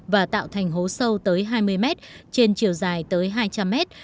và tạo thành hố sâu tới hai mươi mét trên chiều dài tới hai trăm linh mét